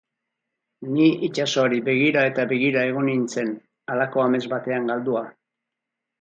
Ni itsasoari begira eta begira egon nintzen, halako amets batean galdua.